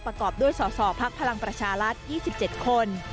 ประกอบด้วยสสพลังประชารัฐ๒๗คน